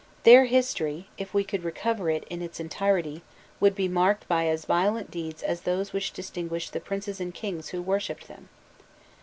Their history, if we could recover it in its entirety, would be marked by as violent deeds as those which distinguished the princes and kings who worshipped them.